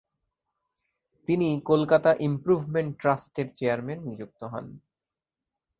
তিনি কলকাতা ইম্প্রুভমেন্ট ট্রাস্টের চেয়ারম্যান নিযুক্ত হন।